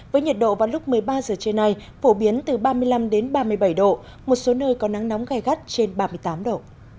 với nhiệt độ vào lúc một mươi ba giờ trưa nay phổ biến từ ba mươi năm ba mươi bảy độ một số nơi có nắng nóng gai gắt trên ba mươi tám độ